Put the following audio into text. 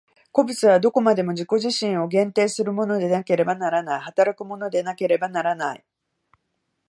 個物はどこまでも自己自身を限定するものでなければならない、働くものでなければならない。